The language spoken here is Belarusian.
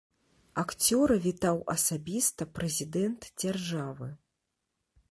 Акцёра вітаў асабіста прэзідэнт дзяржавы.